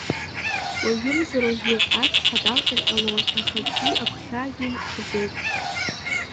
Уажәымзар-уажәы ацҳа далҟьар ҟалон, аха акгьы агәхьаагьы имкӡеит.